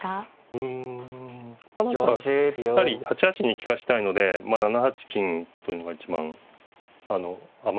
うんまあだからやはり８八に利かしたいので７八金というのが一番ま